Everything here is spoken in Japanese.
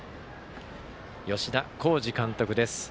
吉田洸二監督です。